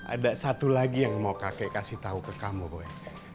ada satu lagi yang mau kakek kasih tahu ke kamu pokoknya